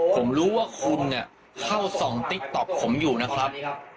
ผมรู้ว่าคุณเข้าส่องติ๊กต๊อกผมอยู่นะครับ